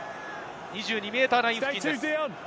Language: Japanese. ２２ｍライン付近です。